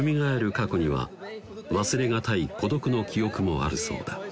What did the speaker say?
過去には忘れがたい孤独の記憶もあるそうだ